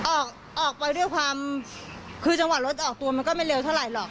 ออกออกไปด้วยความคือจังหวะรถออกตัวมันก็ไม่เร็วเท่าไหรหรอก